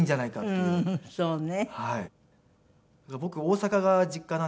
そうよね。